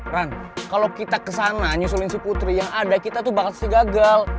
ran kalau kita kesana nyusulin si putri yang ada kita tuh bakal sih gagal